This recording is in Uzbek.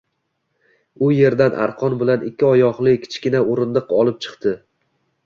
U yerdan arqon bilan ikki oyoqli kichkina o‘rindiq olib chiqdi